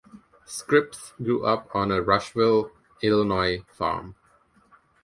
Scripps grew up on a Rushville, Illinois, farm.